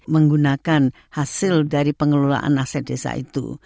menggunakan hasil dari pengelolaan aset desa itu